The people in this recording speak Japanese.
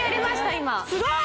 今すごい！